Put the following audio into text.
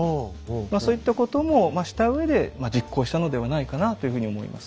そういったこともしたうえで実行したのではないかなというふうに思います。